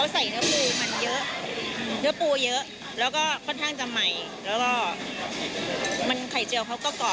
ซึ่งันจำไว้ภารกิจเกิดเหรอค่ะ